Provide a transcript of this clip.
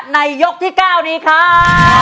ยกที่๙นี้ครับ